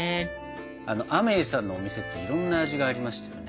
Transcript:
あのアメイさんのお店っていろんな味がありましたよね？